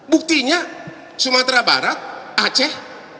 buktinya sumatera barat aceh